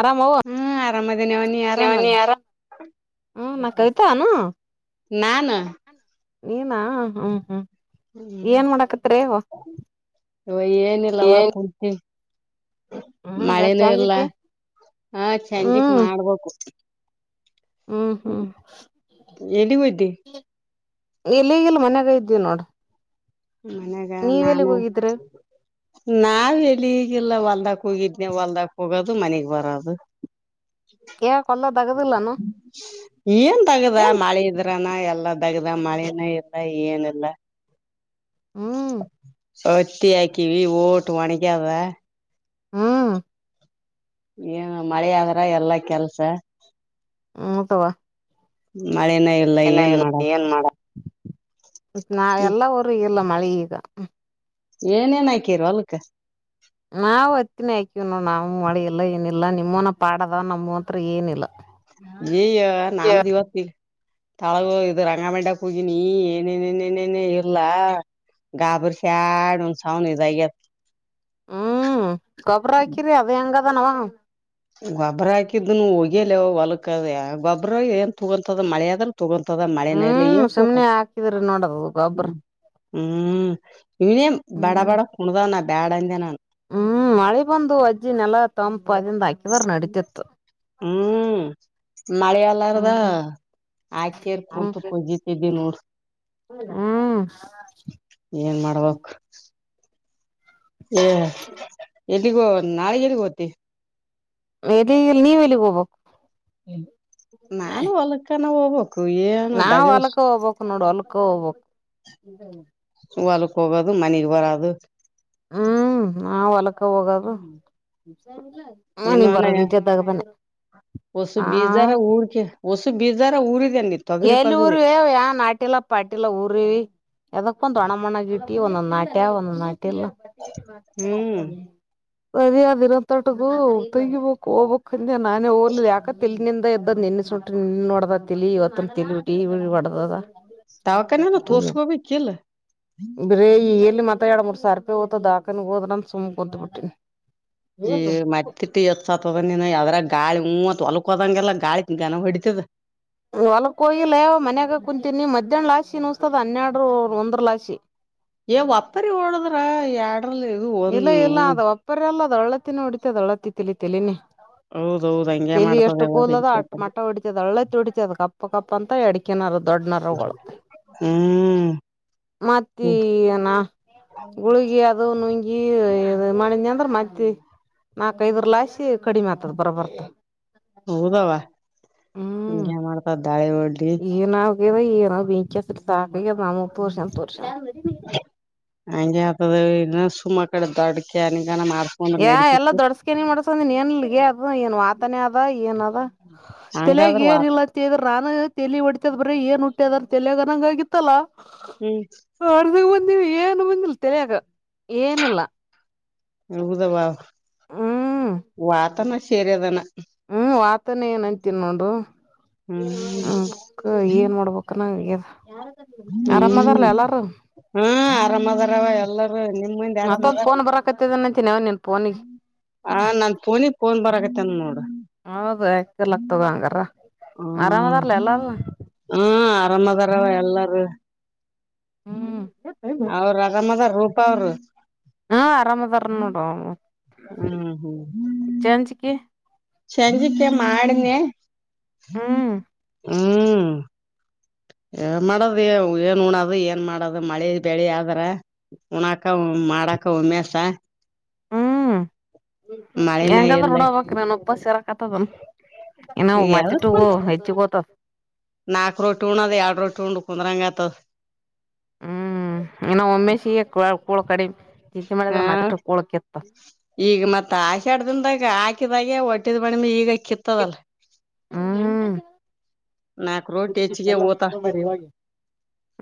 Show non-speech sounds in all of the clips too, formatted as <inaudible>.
ಅರಾಮಾವ ಹ್ಮ್ ಆರಾಮದಿನವ ನೀ ಹು ಆರಾಮಲ್ಲ ನೀವ್ ಆರಾಮ ಹು ನಿನ್ ಕವಿತಾನ. ನಾನ- ನೀನಾ ಹು ಹು. ಹ್ಮ್ ಏನ್ ಮಾಡಾಕತ್ತೀರೆವ್ವ ಇವ ಏನಿಲ್ಲವ ಏನ್ - ಕುಂತೀವಿ ಮಳೆನೂ ಇಲ್ಲ ಚಂದಕ್ಕೆ ಹ ಸಂಜಿಕೆ ಹ್ಮ್ ಮಾಡ್ಬೇಕು. ಹ್ಮ್ ಹ್ಮ್ ಎಲ್ಲಿಗ್ ಹೋದ್ದಿ ಎಲ್ಲಿಗೆಲ್ಲ ಮನ್ಯಾಗ ಇದ್ದೀವಿ ನೋಡ್. ಮನ್ಯಾಗ ನಾನು ಹೋಗಿದ್ರಿ ನಾವ ಎಲ್ಲಿಗಿ ಇಲ್ಲ ಹೊಲ್ದಕ್ ಹೋಗಿದ್ನೇ ಹೊಲ್ದಕ್ ಹೋಗೋದು ಮನಿಗಿ ಬರೋದು <inaudible> ಯಾಕ ಹೊಲ್ಲ ತಗದಿಲ್ಲಾನು ಏನ್ ದಗದ ಮಳೆ ಇದ್ರ <unintelligible> ಎಲ್ಲಾ ದಗ್ದ ಮಾಡಿನೇ ಇಲ್ಲ ಏನಿಲ್ಲ ಹ್ಮ್ ಹತ್ತಿ ಹಾಕಿವಿ ಒಟು ಒನಗ್ಯಾದ ಹ್ಮ್ ಏನ ಮಳಿ ಆದ್ರ ಎಲ್ಲಾ ಕೆಲ್ಸ ಹೌದವ ಮಳಿನೇ ಇಲ್ಲ ಇನ ಇಲ್ಲ ಏನ್ ಮಾಡ ನಾವೆಲ್ಲವರ ಇಲ್ಲ ಮಳಿ ಈಗ ಏನೇ ಏನ್ ಹಾಕಿರ ಹೊಲಕ ನಾವ್ ಹತ್ತಿನೇ ಹಾಕಿವಿ ನೋಡ ನಾವು ಮಳೆ ಎಲ್ಲ ಏನಿಲ್ಲ ನಿಮ್ಮವನ ಪಾಡದವ ನಮ್ಮ್ಂತ್ರ ಏನಿಲ್ಲ ಎ ನಮ್ಮದ ಇವತ್ತು <unintelligible> ಹೋಗಿನಿ ಏನೇನ್ ಏನೇನ ಇಲ್ಲಾ ಗಾಬರ ಶಾಡಿ <unintelligible> ಇದಾಗದೆ ಹ್ಮ್ ಗೊಬ್ಬರ ಹಾಕಿರಿ ಅದ ಹೆಂಗದನವ ಗೊಬ್ಬರ ಹಾಕಿದ್ದುನು ಹೋಗೆ ಇಲ್ಲ ಹೊಲಕ್ಕ ಗೊಬ್ರ ಏನ್ ತಗೊಂತದ ಮಳೆ ಆದ್ರ ತಗೊತದ ಮಳೆನೇ ಇಲ್ಲ ಹ್ಮ್ ಏನ್ ಸುಮ್ನೆ ತೊಗೋತದ ಹಾಕಿದ್ರಿ ನೋಡದು ಗೊಬ್ಬ್ರ ಹ್ಮ್ ಇವನೇ ಬಡ ಹ್ಮ್ ಬಡ ಕುಣದಾನ ಬ್ಯಾಡ ಅಂದೆ ನಾನು ಹ್ಮ್ ಮಳೆ ಬಂದು ವಜ್ಜಿ ನೆಲ ತಂಪು ಆದಿಂದ ಹಾಕಿದಾರ ನಡೀತಿತ್ತು ಹ್ಮ್ ಮಳಿ ಆಲ್ಲಾರದ ಹ್ಮ್ ಆಕೇರಿ ಕುಂತು ಕುಜಿತಿದ್ದಿ ನೋಡ್ ಹು ಏನ್ ಮಾಡ್ಬೇಕ ಏ ಎಲ್ಲಿಗಿ ನಾಳೆ ಎಲ್ಲಿಗೊಗ್ತೀವಿ ಎಲ್ಲಿಗಿ ಇಲ್ಲ ನೀವ್ ಎಲ್ಲಿಗಿ ಹೋಗ್ಬೇಕು ನಾನು ಹೊಲಕ್ಕನ ಹೋಗ್ಬೇಕು ಏನ್ ನಾವ್ ಹೊಲ್ಕ್ ಹೋಗ್ಬೇಕ್ ನೋಡು ಹೊಲ್ಕ ಹೋಗ್ಬೇಕು ಹೊಲಕ ಹೋಗೋದು ಮನಿಗಿ ಬರದು ಹ್ಮ್ ನಾವ ಹೊಲಕ್ಕ ಹೋಗದು ಮನಿಗಿ ಬರದ ದಗದನೆ ಓಸು ಬೀಜಾರ ಉರ್ಕೆ ಓಸು ಬೀಜಾರ ಊರಿದಿ ಏನ ಎಲ್ಲೇ ಉರಿವಿವೇ ಯಾನ್ ನಾಟಿಲ್ಲ <unintelligible> ಊರಿವಿ ಎದಕಬಂತು ಒಣಮಣ್ಣಗ ಇಟ್ಟಿವಿ ಒಂದೊಂದು ನಾಟ್ಯವ ಒಂದೊಂದು ನಾಟಿಲ್ಲ ಹ್ಮ್ <unintelligible> ತಟಗೂ ತಗಿಬೇಕ ಹೋಗ್ಬೇಕ್ ಅಂದೆ ನಾನೇ ಹೋಗಲಿಲ್ಲ ಯಾಕ ತಲಿನಿಂದ ಎದ್ದದ ನಿನ್ನೆ ಸುಂಟು ನಿನ್ನೆನೇ ಹೊಡದದ ತಲಿ ಇವತ್ತನು ಇಟತನ ತಲಿ ಹೊಡಿ ಹೊಡಿ ಹೊಡದದ ಧವಾಖಾನೆ ಅನ ತೋರರ್ಸ್ಕೋಬೇಕಿಲ್ಲ ಬರೆ ಎಲ್ಲಿ ಮತ್ತ ಎರಡ ಮೂರ್ ಸಾವಿರ ರೂಪಾಯಿ ಹೋತದದ ಧವಾಖಾನೆ ಹೋದ್ರ ಅಂತ ಸುಮ್ ಕುಂತ ಬಿಟ್ಟಿನಿ ಏ ಮತ್ತಿಟ ಹೆಚ್ಚ ಆತದ ನಿನ ಅದರಾಗ ಗಾಳಿ ಹು ಅತ ಹೊಲಕ ಹೋದಾಗೆಲ್ಲ ಗಾಳಿ ಗನ ಹೊಡಿತದ ಹೊಲಕ್ಕ ಹೋಗಿಲ್ಲ ಮನ್ಯಾಗ ಕುಂತೀನಿ ಮಧ್ಯಾಹ್ನಲಾಶಿ ನುಸ್ತದ ಹನ್ನೆಡರ ಒಂದ್ರರ ಲಾಶಿ ಏ ವಪ್ಪಾರಿ ಓಡದ್ರ ಎಡರಲೇ ಇಲ್ಲ ಇಲ್ಲ ಅದ ಒಪ್ಪಾರಿಲ್ಲ ಅದು ಅಳ್ಳತ್ತಿನೇ ಹೊಡಿತಯಿತಿ ಅಳ್ಳತ್ತಿ ಹೊಡತಯಿತಿ ತಲಿತಲಿನೇ ಹೌದೌದ್ ಹಂಗೆ ತಲಿ ಮಾಡ್ತದ ಎಷ್ಟು ಎಲ್ಲ ಕೂದಲ ಅದ ಬೆಂಕಿ ಅಟ್ಟ ಹತ್ತದ ಮಟ್ಟ ಹೊಡಿತದ ಹಳ್ಳತಿ ಹೊಡಿತದ ಕಪ್ಪ ಕಪ್ಪ ಅಂತ ಅಡ.. ಅಕ್ಕನಾರ ದೊಡ್ಡನರಗಳು ಹ್ಮ್ ಮತ್ತ ಏನ.. ಗುಳಗಿ ಅದು ನುಂಗಿ ಈ ಮತ್ ಇದರ ಲೆಸಿ... ಕಡಿಮೆ ಆತದ ಬರ ಬರ್ತ ಹ್ಮ್. ಆ ದಾಳಿ ಒಡ್ಲಿ.. ಏನದೈದೆ ಗೊತಿಲ ಟರ್ಸ್ನಡು ಎನ್ ಮಾಡ್ಬೇಕು. ಬೆಂಕಿ ಅಚ್ಚಳಿ ಹಂಗೆ ಆತದ ಇ ಸುಮ್ಮ ಕಡೆ ದೊಡ್ಕ ಸ್ಕ್ಯಾನಿಂಗ್ ಮಾಡ್ಸು. ಯಏ ಎಲ್ಲಾ ದೊಡ್ಸ್ಕನಿ ಮಾಡಸಂದ ನೀ ನ್ಗ ಅದು ಏನ್ ವಾತನೇ ಅದ ಏನ್ ಅದ. ಹಂಗಾದ್ರರು.. ಏನ ಇಿಲ್ಲತ್ತ್ರ ನಾನು ತಲಿ ಹೊಡತದ್ ಬ್ರಿ ಏನ್ ಹಟ್ಟ್ಯದ ತಲಯಗನಂಗ ಆಗಿತ್ತಲ್ಲಾ. ಹ್ಮ್. ಹೊರ್ದಗ್ ಬಂದಿ ಏನು ಬಂದಿಲ್ಲ ತಲ್ಯಾಗ್ ಏನಿಲ್ಲ. ಹೌದವಾ ಹ್ಮ್ ವಾತನ ಸೇರಿದಾನ ಏನು. ಹ್ಮ್ ವಾತಾನ ಏನ್ಂತಿನ ನೋಡು. ಹ್ಮ್. ಏನ್ ಮಾಡ್ಬೇಕನ ಎನ್ ಆರಾಮ್ ಅದಾರಲ್ಲ ಎಲ್ಲಾರು. ಹೂ ಆರಾಮದಾರವ ಎಲ್ಲಾರೂ ನಿಮ್ಮ ಮುಂದೀ ಆರಾಮ ಮತ್ತೊಂದ್ ಫೋನ್ ಅದಾರ. ಬರಾಕತ್ತದನಂತಿನವ ನಿನ್ ಫೋನಿಗೆ ಹ ನನ್ ಫೋನಿಗೆ ಫೋನ್ ಬರಗತ್ತನ್ ನೋಡು. ಹೌದು ಯಾಕ ಇರಲಕ ತಗ ಹಂಗಾರ ಆರಾಮ್ದಾರಲ ಎಲ್ಲರು ಹ್ಮ ಆರಾಮದಾರವ ಎಲ್ಲರೂ. ಹ್ಮ್ ಅವರು ಅರಾಮದಾರ ರೂಪ ಅವರು. ಹ್ಮ್ ಆರಾಮ ಅದರ ನೋಡು ಅವರು. ಹ್ಮ್ ಹ್ಮ್. ಸಂಜಿಕೆ ಮಾಡನೆ ಹ್ಮ್ ಮಾಡಿದಿ ಏನ್ ಮಾಡೋದು ಏನ್ ಉಣದು ಏನ್ ಮಾಡೋದು ಮಳಿ ಬೆಳಿ ಆದ್ರ ಉಣಕ ಮಾಡಕ ಉಮ್ಮೆಸ. ಹ್ಮ್ ಮಳಿನ ಹೆಂಗಾದರು ಇಲ್ಲ ಉನ್ನ ಬೇಕ್ ನನ್ ಉಪಸ್ ಇರಕತದ ಏನು. ಇ ನಾವು ಮತ್ತೆಟ್ಟುಗ ಹೆಚ್ಚು ಹೋಟವ. ನಾಕ ರೋಟ್ಟಿ ಉಣ್ಣದ ಎರಡು ರೊಟ್ಟಿ ಉಂಡ ಕುಂದ್ರಂಗತದ. ಹ್ಮ್ ಇನ್ನು ಒಮ್ಮೇಶಿಗೆ ಕೂಳಕಡಿಮಿ ಚಿಂತೆ ಮಾಡಿದ್ರೆ ಆ ಮತ್ತಟ ಕೂಳ ಕೀತತ್ತಾದ ಈಗ ಮತ್ ಆಷಾಡ ದಿನದಾಗ ಹಾಕಿದಾಗೆ ಹೊಟ್ಟಿದ್ <unintelligible> ಈಗ ಕಿತ್ತದಲ್ಲ. ಹೂ ನಾಕ್ ರೋಟಿ <unintelligible> ಹೆಚ್ಚಿಗೆ ಎಲ್ಲ ಓತ ಇವಗೆ.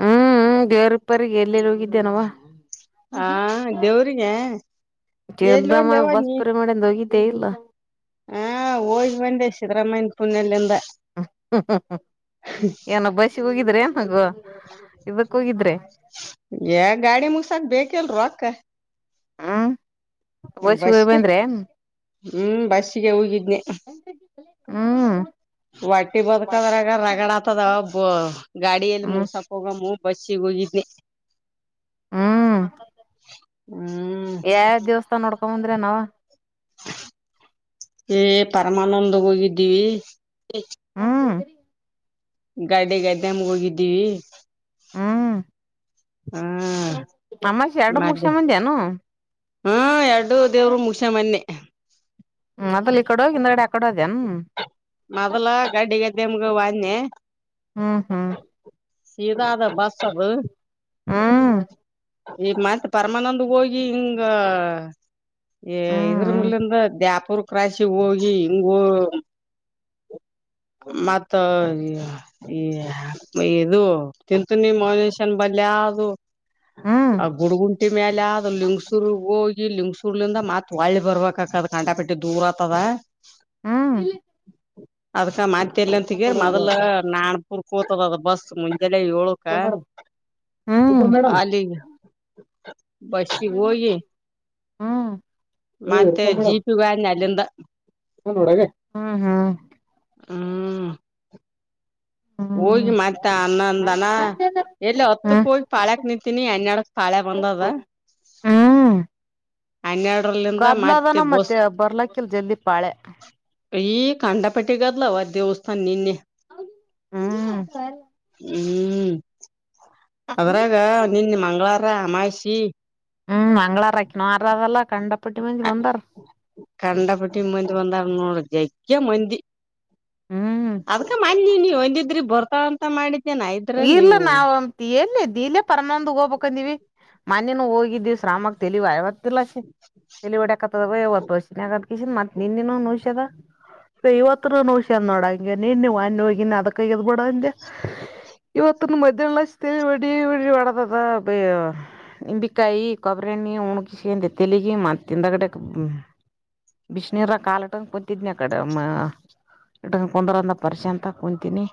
ಹ್ಮ್ ಹೂ ದೇವರಹಿಪ್ಪರಿ ಎಲ್ಲೆರ ಹೋಗಿದ್ದೇನವ ಆ ದೇವ್ರಿಗೆ ಎಲ್ಲಿ ಸಿದ್ರಾಮಯ್ಯ ಒಂದವ ಬಸ್ಸು ನೀ ಫ್ರೀ ಮಾಡಡಿಂದ ಹೋಗಿದ್ದೇ ಇಲ್ಲ ಹಾ ಹೋಗಿ ಬಂದೆ ಸಿದ್ದರಾಮಯ್ಯನ್ ಪುಣ್ಯ ಲಿಂದ. ಏನ ಬಸ್ಗೆ ಹೋಗಿದ್ರೆ ಏನ ಇದಕ್ಕ ಹೋಗಿದ್ರೆ. ಯ ಗಾಡಿ ಮುಗಸಾಕ್ ಬೇಕಿಲ್ರ ರೋಕ್ಕ.. ಹ್ಮ್ ವಯಸ್ಸಿಗೆ ಹೋಗಿ ಬಸ್ಗೆ ಬಂದ್ರೆ ಹ್ಮ್ ಬಸ್ಗೆ ಹೋಗಿದ್ನಿ.. ಹ್ಮ. ಒಟ್ಟಿ ಬದಕದ್ರಗ ರಗಡ ಆತದ ಬ ಗಾಡಿಯಲ್ಲಿ ಹ್ಮ್ ಮುಗಸನ. ಹೋಗಮ್ಮ ಬಸ್ಸಿಗೆ ಹೋಗಿದ್ನಿ. ಹ್ಮ್. ಹ್ಮ್. ಯಾವ ಯಾವ ದಿವವಸ್ಥಾನ ನೋಡ್ಕೊಂಬ ಬಂದ್ರ ನವ್. ಏ ಪರಮಾನಂದ್ಗೆ ಹೋಗಿದ್ದೀವಿ. <inaudible> ಗಾಡೆ ಗದ್ದೆಮ್ಮಗೆ ಹೋಗಿದ್ದೀವಿ. ಹ್ಮ್ ಹಾ ಅಮಾಶಿ ಎರಡು ಮುಗಸಕೊಂಡ ಬಂದಿನು. ಹ್ಮ ಎರಡು ದೇವ್ರು ಮುಗಸಕೊಂಡ ಬಂದನಿ. ಹ್ಮ ಮದಲ್ ಈ ಕಡೆ ಹೋಗಿ ಹಿಂದೆಗಡೆ. ಮದಲ ಗಡ್ಡಿ ಗದ್ದೆಮ್ಮಗ ಹೋದನ್ಯ. ಹ್ಮ್ ಹ್ಮ್. ಸೀದಾ ಅದ ಬಸ್ ಅದು. ಹ್ಮ. ಈಗ ಮತ್ ಪರಮಾನಂದ ಗ ಹೋಗಿ ಹಿಂಗ. ಏ ಇದ್ರ ಹ್ಮ್ ಮಲಿಂದ ದ್ಯಾಪುರ್. ಕ್ರಾಶಿಗೆ ಹೋಗಿ ಹಿಂಗ ಹೂ ಮತ್ತ. ಏ ಇದು ತಿಂತನಿ ಮೌನೇಶ ಬಲೇ ಹಾಯ್ದು. ಹ್ಮ್ ಆ ಗುಡಗುಂಟಿ ಮೇಲೆ ಹಾದು ಲಿಂಗ್ಸುರ್ ಗೆ ಹೋಗಿ ಲಿಂಗ್ಸು. ಲಿಂಗ್ಸುರ್ ನಿಂದ ಮತ್ ಹೊಳ್ಳಿ ಬರ್ಬೇಕಕದ ಕಂಂಡಾಪೆಟ್ಟಿ ದೂರ್ ಆತದ. ಹ್ಮ್ ಅದಕ್ಕ ಮತ್ತ ಎಲ್ಲಿ ಅಂತಗೆ ಮೊದಲ. ನಾಣಪುರ್ ಕೋತದ ಅದ ಬಸ್ ಮುಂಜೆಲ್ಲ ಏಳುಕ. ಕ ಹ್ಮ್ ಮೇಡಮ್ ಅಲಿಗ. ಫಸ್ಟ್ ಗಿ ಹೋಗಿ ಹ್ಮ್ ಮತ್ತೆ ಜೀಪ. ಜೀಪಿಗೆ ವಾಜ್ಞ ಅಲ್ಲಿಂದ. <unintelligible> ಹ ಹಾ ಹ್ಮ್ ಹೋಗಿ ಹ್ಮ್ ಮತ್ಯಾ ಅನ್ನಂದಾನ. ಎಲ್ಲಿ ಹೊತ್ತಕ್ ಹ್ಮ್ ಹೋಗಿ ಪಾಳ್ಯಕ್ ನಿಂತೀನಿ ಹನ್ನೆಡಕ್ ಪಾಳ್ಯ ಬಂದದ. ಹ್ಮ್ ಹನ್ನೆರಡರಲ್ಲಿಂದ ಮತ್ತೆ ಗದ್ಲದನ ಬೋಸ್. ಬರ್ಲಕ್ಕಿಲ್ ಜಲ್ದಿ ಪಾಳೆ ಈ ಕಾಂಡಪಟ್ಟಿಗದಲ ಅವ ದೇವಸ್ಥಾನ ನಿನ್ನೆ. ಹ್ಮ <inaudible> ಹ್ಮ್. ಅದ್ರಾಗ ನಿನ್ನ ಮಂಗಳವಾರ ಅಮಾಸಿ. ಹ್ಮ್ ಮಂಗಳವಾರಕ ನಾರ ಅಲ್ಲ ಕಂಡಪಟ್ಟಿ ಮಂದಿ ಬಂದಾರ. ಕಂಡಪಟ್ಟಿ ಮಂದಿ ಬಂದಾರ ನೋಡ ಜಗ್ಗೆ ಮಂದಿ. ಹ್ಮ್ ಅದ್ಕ ಮ ನೀ ನೀವ ಒಂದಿದ್ರಿ ಬರ್ತಾಳ ಅಂತ ಮಾಡಿದ್ದೇನ್ಯ. ಇಲ್ಲ ನಾವವು. ಎಲ್ಲಿ ದಿಲ್ಲೇ ಪರಮಾನಂದ ಹೋಗ್ಬೇಕಂದಿವವಿ ಮನ್ೇನು ಹೋಗಿದ್ದಿವವಿ ಶ್ರಾಮಕ್ ತಳವ ಯವತ್. <unintelligible> ತೇಲಿವಡ್ಯಕುಂತ್ತದ ಯವ ಇವತ್ತು ವಸತಿ ಆದ ಅದಕ್ಕೆ ಮತ್ತೆ ನಿನ್ನ ನೌಷ್ಯದ. ಇವತ್ತು ನೌಷಧಿ ನೋಡ ಹಂಗೆ ನೀನ್ ಮೊನ್ನೆ ಹೋಗಿನಿ ಅದಕ್ಕಾ ಹಿಡ ಬುಡು ಅಂದ್ಯ. ಇವತ್ತುನ್ನು ಮಧ್ಯಾಹ್ ಲೇಶಂದ ತೇಲಿ ವಡಿ ವಡಿ ಒಡದದ. ನಿಂಬೆಕಾಯಿ ಕೊಬ್ಬರಿ ಎಣ್ಣಿ ಉಣಗ ಸೆಂಧೆ ತೇಲಿಗ ಮತ್ತ ಹಿಂದೆ ಕಡಕ್. ಬಿಸಿನೀರ ಕಾಲಟಂಗ ಕೂತಿದ್ನಿ ಅಕಡೆಮ್ಮ. ಇಟ್ಟಂಗ ಕುಂದ್ರಂದ ಪ್ರಶಾಂತ ಅಂತ ಕುೂಂತೀಿನಿ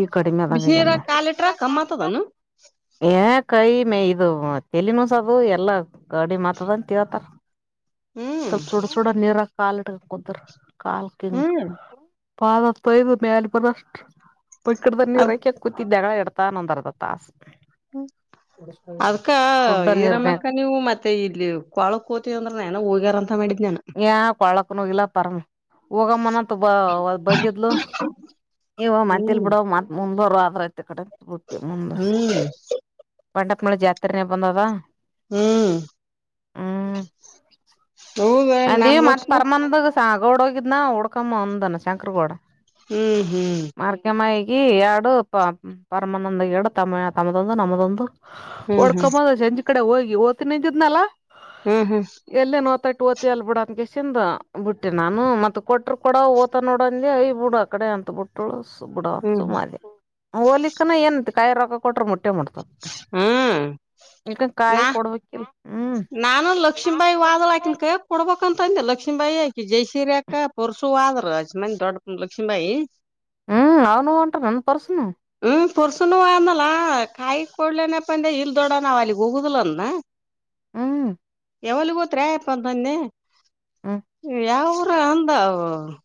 ಈಗ ಕಡಿಮೆ ಅದಂಗ ಆಗ್ಯಾದ. ನೀರಗ ನೋಡ್ ಕಾಲಿಟ್ರಾ ಕಮ್ಮತದಾನ. ಏ ಕೈ ಮೇ ಇದು ತೇಲಿನೂಸದ ಇದು ಎಲ್ಲ ಕಡಿಮೆ ಆತದ ಅಂತ ಹೇಳುತ್ತಾರ. ಹ್ಮ್ ಸ್ವಲ್ಪ ಸುಡ ಸುಡ ನೀರಗ ಕಾಲ ಇಟ್ಕಂದು ಕುಂತ್ರು ಕಾಲ ಕಿಂಗ. ಹ್ಮ್ ಪಾದ ತೊಯ್ದು ಮ್ಯಾಲ ಬರ ಅಷ್ಟ ಬಕಿಟ್ ದಾಗ ನೀರು ಅದ್ ಆಕೆಂದು. ಜಗಳ <unintelligible> ಇಡ್ತಾನ ಒಂದು ಅರ್ಧ ತಾಸ. ಹ್ ಅದ್ಕ್ ಸುಡ್ಡ ನೀರ್ನ್ಯಾಗ ಈರಮ್ಮಕ್ಕಾಗ ನೀವು ಮತ್ತೆ ಇಲ್ಲಿ ಕೊಳಕ್ ಕೋತವಿ ಅಂದ್ರ ನ ಹೋಗ್ಯಾರಂತ ಮಾಡಿದ್ ನಾನ್ ಏನ್ ಕೊಳಕಣ ಹೋಗಿಲ್ಲಾ ಪರಮ ಹೋಗಮ್ಮನ ತನ್ ಬಂದಿದ್ಲು ಇವ ಮತ್ತ ಇಲ್ ಹ್ಮ್ ಬಿಡ ಮತ್ ಮುಂದುವಾರು ಹೊದ್ರಐತ ಬಿಡ ಅಕಾಡ ಬೀಟ್ ಮುಂದ ಹ್ಮ್ ಪಂಡಪನಳ ಜಾತ್ರೆನೇ ಬಂದದ ಹುಂ ಅದೇ ಮತ್ ಪರ್ಮಾನಂದ ಗೌಡ ಹೋಗಿದ್ನ ಹೊಡ್ಕಮ್ಮ ಬಂದಾನ ಶಂಕ್ರ ಗೌಡ ಹುಂ ಹುಂ ಮಾರ್ಕಮ್ಮಗಿ ಎರಡು ಪ ಪರಮಾನಂದ ಎರಡು ತಮ್ಮ ತಮ್ಮದೊಂದು ನಮದೊಂದು ಹ್ಮ್ ಹ್ಮ್ ಹೊಡ್ಕೊಂಬಂದ ಸಂಜಿ ಕಡೆ ಹೋಗಿ ಓತ ನದ್ದಿತಿದ್ನಲ್ಲಾ ಹುಂ ಹುಂ ಎಲ್ಲಿನ ನೋತೈತಿ ಓತಿಯ ಅಲ್ ಬಿಡ ಅನ್ ಕೆಸಿಂದ ಬಿಟ್ಟೆ ನಾನು ಮತ್ತ ಕೊಟ್ರ ಕೊಡ ಓತ ನೋಡಂಗೆ ಅಯ್ ಬಿಡು ಅ ಕಡೆ ಅಂತ ಬಿಟ್ಟ ಬಿಡ ಅಂತ ಹ್ಮ್ ಸುಮ್ಮನಾದೆ ಮಾಡ ಹೋಲಿಕನ ಏನ್ ಕಾಯಿ ರೊಕ್ಕ ಕೊಟ್ರ ಮುಟ್ಟೆ ಮುಟ್ಟತದ ಹ್ಮ್ ಈಕನ್ ಕಾಯಿ ನಾ ಕೊಡ್ಬೇಕಿಲ್ಲ. ನಾನು ಲಕ್ಷ್ಮೀಬಾಯಿ ಹೋದಳ ಆಕಿನ್ ಕೈಯಾಗ ಕೊಡ್ಬೇಕಂತಂದೆ ಲಕ್ಷ್ಮಿಬಾಯಿ ಆಕಿ ಜೈಸೀರ್ಯಾಕ್ಕ ಪರ್ಸು ಹೊದ್ರ ಅಸ್ ಮಂದಿ ಹೊದ್ರ ದೊಡ್ಡ ಲಕ್ಷ್ಮಿಬಾಯಿ ಹಾ ಅನ್ನು ಹೋಂಟಾ ಎನ್ ಪರ್ಸು ನು ಹುಂ ಪರ್ಸುನು ಹೋದಲಾ ಕಾಯಿ ಕೊಡ್ಲನೆಪ್ಪಂದೆ ಇಲ್ಲಿ ದೊಡ್ಡವಾ ನಾವ ಆವಾಲಿ ಹೋಗುದಿಲನ್ನ ಅಂದಾ ಹುಂ ಯಾವಲ್ಗೂ ಹೋತ್ರಿಯಪ್ಪ ಅಂದನೀ ಹ್ಮ್ ಯಾವ ಅಂದ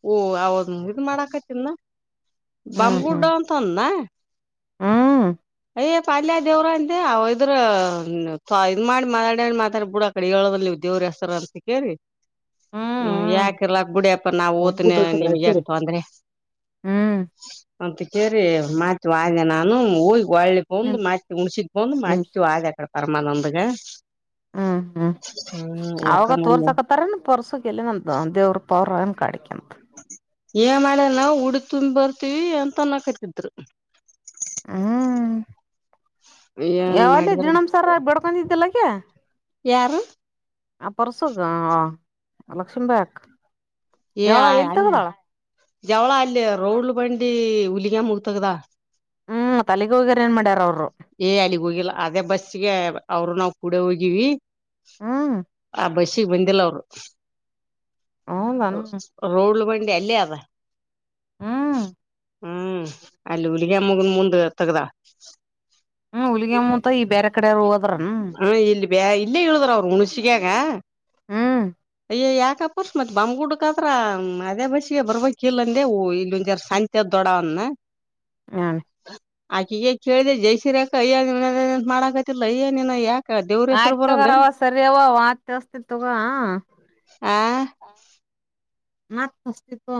ಅವ ಇದ್ ಮಾಡಕತಿದನ್ ಬಾಂಬ್ ಗುಡ್ಡ ಅಂತ ಅಂತಂದನ ಹುಂ ಅಯ ಅಲ್ಯ ಯಾವ ದೇವ್ರ ಅಂತ ಅವ ಇದ್ರ ಇದ್ ಮಾಡಿ ಮಾತಾಡ ಮಾತಾಡ್ ಬಿಡ ಕಳಿಗಳದಲ್ಲಿ ಉದ್ಯೋಗ್ರ ಹೆಸ್ತಾರ ಅಂತ ಕೇಳಿ ಹ್ಮ್ ಹುಂ ಹ್ಮ್ ಯಾಕ ಇರ್ಲ್ಲಕ ಬಿಡ ಅಪ್ಪ ನಾವು ಓತನೆ ನಿಮ್ಗೆ ಯಾಕ ಹ್ಮ್ ತೊಂದ್ರಿ ಹ್ಮ್ ಮಂತ ಕೆರಿ ಮತ್ ಹೋದನೆ ನಾನು ಹೋಗಿ ಹೋಳ್ಳಿ ಮುಂದ ಮತ್ ಹುಣಸಿಗ ಬಂದ ನಿಮ್ ಮತ್ತು ಹೊದಿ ಅಕ್ಕಾಡಿ ಪರಮಾನಂದಗ ಹುಂ ಹುಂ ಹ್ಮ್ ಹುಡ್ಕ ಅವಾಗ ಬಂದೆ ತೋರ್ಸಕತ್ ಪಾರನು ಪರ್ಸೋಗ ಎಲ್ಲಿ ಅನಾ ಅಂತ ದೇವ್ರರು ಪವರನ್ ಕಾಡಿಕೆ ಅಂತಾ ಏನ್ ಮಾಡನ ಉಡಿ ತುಂಬಿ ಬರ್ತೀವಿ ಅಂತ ಅನ್ನಾ ಕತಿದ್ರು ಏನ್ ಯಾವಾಗ ಮಾಡಿದ್ರ ತೀಡ್ ನಮಸ್ಕಾರ ಬೇಡ್ಕೊಂಡಿದ್ದಿಲ್ಲಾ ಆಕಿ ಯಾರು ಆ ಪರ್ಸುಗ ಲಕ್ಷ್ಮೀಬಾಯಿ ಅಕ್ಕಾ ಏ ಅಲ್ಲಿ ಜವಳ ಅಲ್ಲಿ ರೋಡ್ಲು ಬಂಡಿ ಹುಲ್ಲಿಗ ಮುಗ ತಗದಾಳ ಹುಂ ಅಲೆಗ ಹೋಗ್ಯಾರ ಎನ್ ಮಾಡ್ಯಾರ ಅವ್ರು ಏ ಅಲ್ಲಿಗ್ ಹೋಗಿಲ್ಲಾ ಅದೇ ಬಸ್ಸಿಗೆ ಅವರು ನಾವು ಕೂಡೆ ಹೋಗಿವಿ. ಹ್ಮ್ ಆ ಬಸ್ಸಿಗೆ ಬಂದಿಲ್ಲ ಅವರು ಹೌದನ್ ರೌಡ್ಲ ಬಂಡಿ ಅಲ್ಲೇ ಅದ ಹುಂ ಹುಂ ಅಲ್ಲಿ ಹುಲಿಗೆಮ್ಮನ ಮುಂದ ತಗದಾಳ ಹುಂ ಹುಲಿಗಮ್ಮನ ಈಗ ಬ್ಯಾರೆ ಕಡೆ ಹೋದ್ರನ ಬಾ ಇಲ್ಲೇ ಇಳದರ ಅವರು ಹುಣಸಗಾಗ ಹ ಅಯ್ ಯಾಕಪ್ಪರ್ಸ್ ಮತ್ ಬಂಬ್ಗುಡ್ಕತ್ರ ಅದೇ ಬಸಿಗೆ ಬರ್ಬೇಕಕ್ ಇಲ್ಲ ಅಂದೆ ಇಲ್ಲಿಂದ ಜ ಸಂಜ. ದೊಡವ್ವ ಅಂದ ಹ್ಮ್. ಆಕಿ ಈ ಕೇಳಿದೆ ಜೈಸೀರ ಯಾಕಯ್ಯ ಮಾಡಕತಿಲ್ಲಯ್ಯನನ ಯಾಕ. ದೇವ್ರ ಹೆಸರು ಆಯ್ತ್ ತಗರವ ಬರಲ್ದೇನ್ ಸರಿವ ತಸ್ತಿ ತತೋ ಆ. ಮತ್ತೆ ಆಚಟಿನಿ ತೊಗೊ